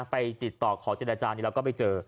ไปติดต่อขอเจรจานี้แล้วก็ไปเจอ